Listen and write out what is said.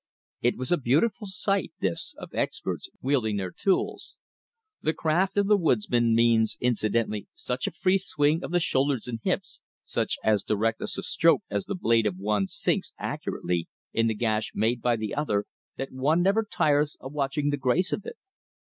It was a beautiful sight this, of experts wielding their tools. The craft of the woodsman means incidentally such a free swing of the shoulders and hips, such a directness of stroke as the blade of one sinks accurately in the gash made by the other, that one never tires of watching the grace of it.